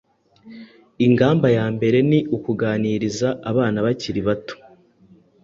Ingamba ya mbere ni ukuga-niriza abana bakiri batoya